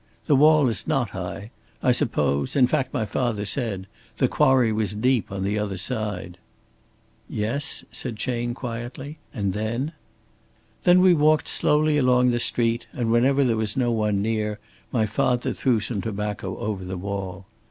The wall is not high; I suppose in fact my father said the quarry was deep on the other side." "Yes," said Chayne, quietly. "And then?" "Then we walked slowly along the street, and whenever there was no one near, my father threw some tobacco over the wall.